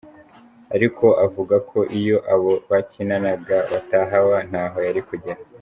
Ariko avuga ko iyo abo bakinanaga batahaba ntaho yari kugera.